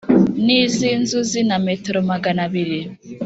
n iz inzuzi na metero magana abiri